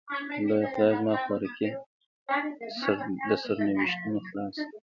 لويه خدايه لازما خوارکۍ سر د شينونسو خلاص.